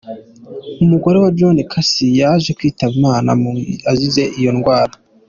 Umugore we John Casey yaje kwitaba Imana mu azize iyo ndwara.